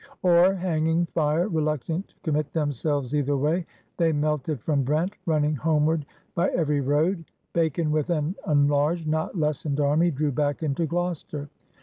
'' Or, hanging fire, reluctant to commit themselves either way, they melted from Brent> running homeward by REBELLION AND CHANGE 186 every road. Bacon, with an enlarged, not lessened army, drew back into Gloucester.